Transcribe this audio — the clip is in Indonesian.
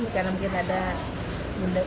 mungkin bundanya tepuk